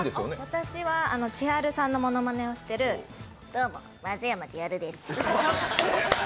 私はＣＨＩＨＡＲＵさんのものまねをしてるどうも、松山千春です。